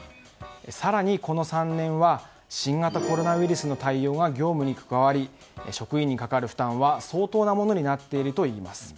更にこの３年は新型コロナウイルスの対応が業務に加わり職員に対する負担は相当なものになっているといいます。